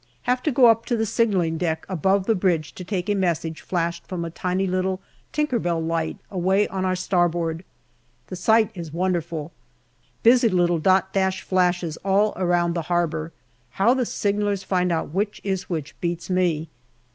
Have to go up to the signalling deck above the bridge to take a message flashed from a tiny little " Tinker Bell " light away on our starboard. The sight is wonderful. Busy little dot dash flashes all around the harbour. How the signallers find out which is which beats me.